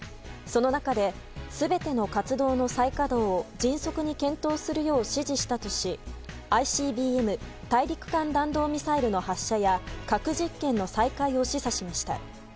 その中で、全ての活動の再稼働を迅速に検討するよう指示したとしＩＣＢＭ・大陸間弾道ミサイルの発射や核実験の再開を示唆しました。